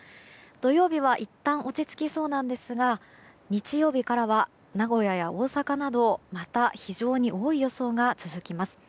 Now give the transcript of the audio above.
土曜日はいったん落ち着きそうなんですが日曜日からは、名古屋や大阪などまた非常に多い予想が続きます。